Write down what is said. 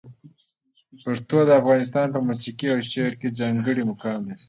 پښتو د افغانستان په موسیقي او شعر کې ځانګړی مقام لري.